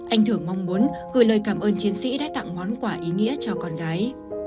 anh thưởng mong muốn gửi lời cảm ơn chiến sĩ đã tặng món quà ý nghĩa cho con gái